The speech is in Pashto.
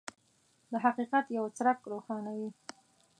د حقیقت یو څرک روښانوي.